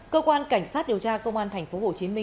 cơ quan cảnh sát điều tra công an tp hcm